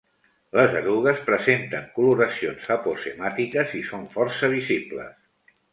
Les erugues presenten coloracions aposemàtiques i són força visibles.